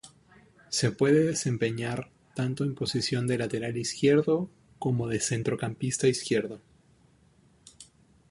Se puede desempeñar tanto en posición de lateral izquierdo como de centrocampista izquierdo.